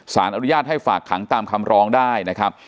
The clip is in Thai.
สารอนุญาตให้ฝากขังตามคำร้องได้นะครับ